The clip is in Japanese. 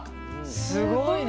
すごいね。